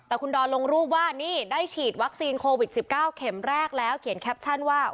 แต่คุณดอนลงรูปว่านี่ได้ฉีดวัคซีนโควิด๑๙เข็มแรกแล้วเขียนแคปชั่นว่า